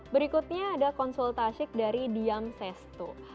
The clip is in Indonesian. berikutnya ada konsultasik dari diam sesto